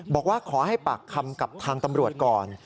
บอกว่าขอให้ปากคำกับทางตำรวจก่อน